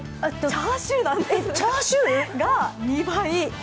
チャーシューなんですが、２倍。